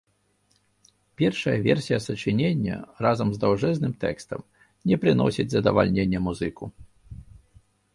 Першая версія сачынення разам з даўжэзным тэкстам не прыносіць задавальнення музыку.